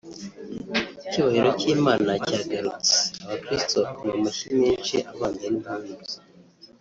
icyubahiro cy’Imana cyagarutse(abakristo bakoma amashyi menshi avanze n’impundu)